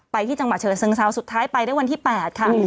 ไปที่จังหวัดเชิงเซาสุดท้ายไปได้วันที่๘ค่ะ